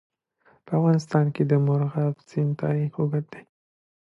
په افغانستان کې د مورغاب سیند تاریخ اوږد دی.